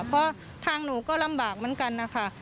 เพราะทางหนูก็ลำบากเหมือนกันนะคะ